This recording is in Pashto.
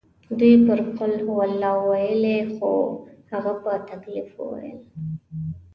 دوی پرې قل هوالله وویلې خو هغه په تکلیف وویل.